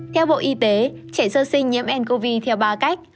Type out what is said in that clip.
theo bộ y tế trẻ sơ sinh nhiễm ncov theo ba cách